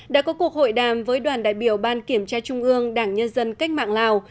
đã có cuộc hội đàm với đoàn đại biểu ban kiểm tra trung ương đảng nhân dân cách mạng lào